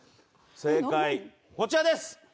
正解、こちらです！